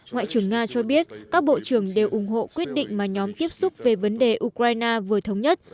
ngoại trưởng nga cho biết các bộ trưởng đều ủng hộ quyết định mà nhóm tiếp xúc về vấn đề ukraine vừa thống nhất